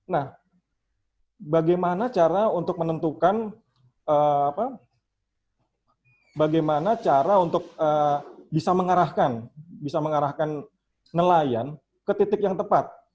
nah bagaimana cara untuk menentukan bagaimana cara untuk bisa mengarahkan nelayan ke titik yang tepat